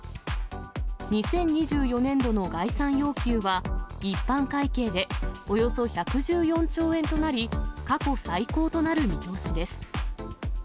２０２４年度の概算要求は、一般会計でおよそ１１４兆円となり、過去最高となる見通しです。